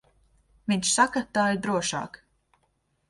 Viņš saka, tā ir drošāk.